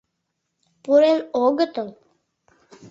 Пурен огытыл.